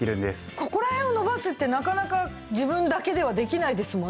ここら辺を伸ばすってなかなか自分だけではできないですもんね。